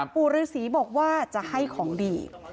ปู่ฤษีบอกว่าจะให้ของดี